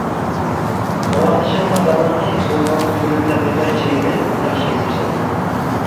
ساۋاقدىشىڭ ئاتاماننىڭ تۇغۇلغان كۈنىنى تەبرىكلەش چېيىنى ياخشى يېزىپسەن.